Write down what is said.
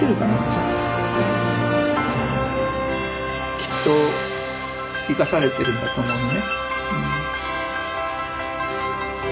きっと生かされているんだと思うのね。